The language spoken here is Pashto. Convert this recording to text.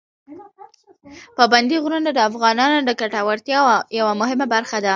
پابندي غرونه د افغانانو د ګټورتیا یوه مهمه برخه ده.